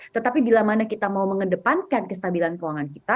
tetapi bila mana kita mau mengedepankan kestabilan keuangan kita